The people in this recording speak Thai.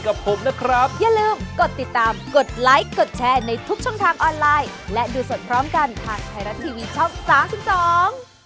กดไลค์กดแชร์ในทุกช่องทางออนไลน์และดูสดพร้อมกันทางไทยรัตน์ทีวีช่อง๓๒